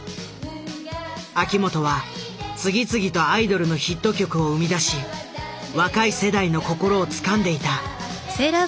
秋元は次々とアイドルのヒット曲を生み出し若い世代の心をつかんでいた。